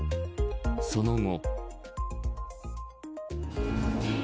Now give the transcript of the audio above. その後。